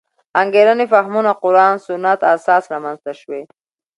انګېرنې فهمونه قران سنت اساس رامنځته شوې.